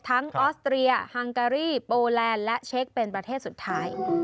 ออสเตรียฮังการีโปแลนด์และเช็คเป็นประเทศสุดท้าย